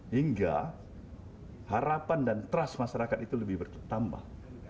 hingga harapan dan trust masyarakat itu lebih bertambah